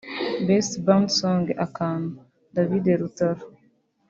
Best Band Song Akantu – David Lutalo